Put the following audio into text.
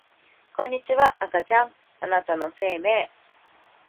こんにちは赤ちゃんあなたの生命